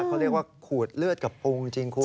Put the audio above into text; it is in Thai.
เขาเรียกว่าขูดเลือดกับปรุงจริงคุณ